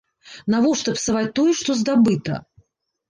Навошта псаваць тое, што здабыта?